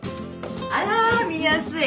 あら見やすい。